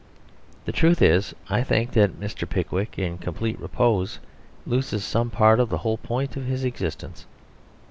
The truth is, I think, that Mr. Pickwick in complete repose loses some part of the whole point of his existence.